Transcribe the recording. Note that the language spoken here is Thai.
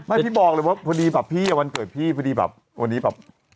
พี่บอกเลยว่าพอดีแบบพี่วันเกิดพี่พอดีแบบวันนี้แบบ